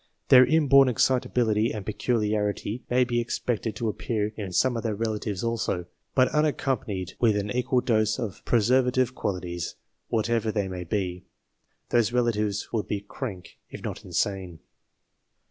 Their inborn excitability and peculiarity may be expected to appear in some of their relatives also, but unaccompanied with an equal dose of preservative qualities, whatever they may be. Those relatives would be "crank," if not insane.